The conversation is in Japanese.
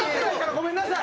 ごめんなさい！